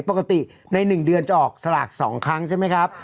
ปกติใน๑เดือนจะออกสลาก๒ครั้งใช่ไหมครับ